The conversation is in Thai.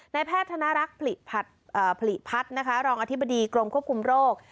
ในแพทย์ธนารักษ์ผลิตผัสรองอธิบดีกรมควบคุมโรค